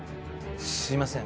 すいません。